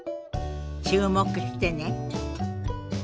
注目してね。